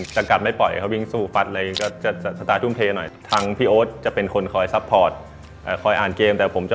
จะกัดไม่ปล่อยเขาวิ่งสู่ฟัดอะไรอย่างนี้